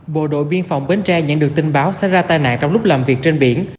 bộ đội biên phòng bến tre nhận được tin báo xảy ra tai nạn trong lúc làm việc trên biển